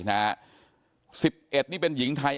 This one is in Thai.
๑๑นี่เป็นหญิงไทย